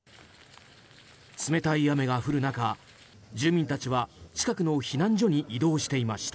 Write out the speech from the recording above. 冷たい雨が降る中、住民たちは近くの避難所に移動していました。